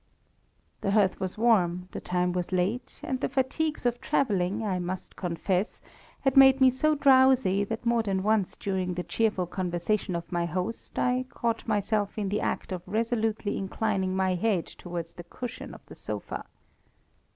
The hearth was warm, the time was late, and the fatigues of travelling, I must confess, had made me so drowsy, that more than once during the cheerful conversation of my host, I caught myself in the act of resolutely inclining my head towards the cushion of the sofa.